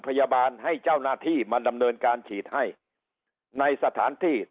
พยาบาลให้เจ้าหน้าที่มาดำเนินการฉีดให้ในสถานที่